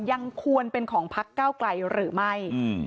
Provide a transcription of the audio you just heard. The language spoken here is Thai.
ยังควรเป็นของพักเก้าไกลหรือไม่